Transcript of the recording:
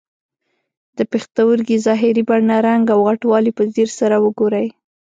د پښتورګي ظاهري بڼه، رنګ او غټوالی په ځیر سره وګورئ.